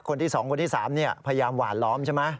คนที่๒คนที่๓พยายามหวานล้อมใช่ไหม